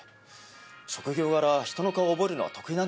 職業柄人の顔を覚えるのは得意なんですけどね。